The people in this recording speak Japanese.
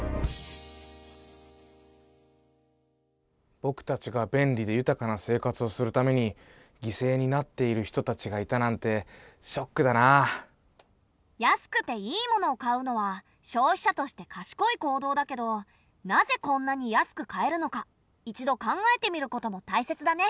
ぼくたちが便利で豊かな生活をするためにぎせいになっている人たちがいたなんてショックだなあ。安くていい物を買うのは消費者としてかしこい行動だけどなぜこんなに安く買えるのか一度考えてみることもたいせつだね。